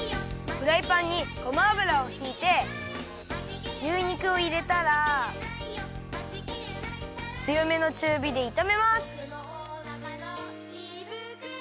フライパンにごま油をひいて牛肉をいれたらつよめのちゅうびでいためます。